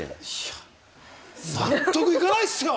納得いかないっすよ！